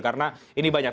karena ini banyak